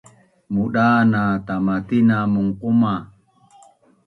Mudan na tama tina munquma